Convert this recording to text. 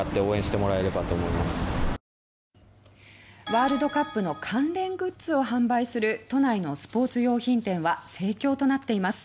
ワールドカップの関連グッズを販売する都内のスポーツ用品店は盛況となっています。